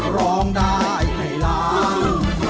ร้องดาอีกไหนล้าง